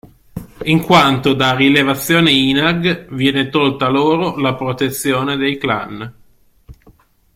In quanto, da Rilevazione INAG, viene tolta loro la protezione dei clan.